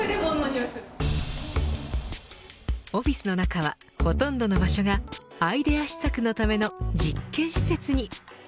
オフィスの中はほとんどの場所がアイデア試作のための実験施設に。